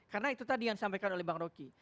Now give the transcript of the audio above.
karena itu tadi yang disampaikan oleh bang roky